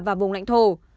và vùng lãnh thổ